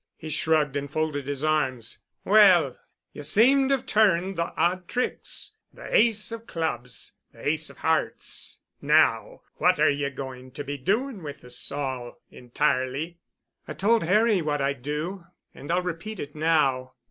He shrugged and folded his arms. "Well. Ye seem to have turned the odd tricks—the ace of clubs—the ace of hearts. Now what are ye going to be doing with us all entirely?" "I told Harry what I'd do, and I'll repeat it now.